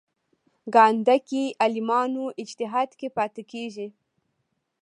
ګانده کې عالمانو اجتهاد کې پاتې کېږي.